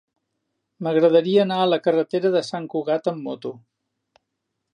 M'agradaria anar a la carretera de Sant Cugat amb moto.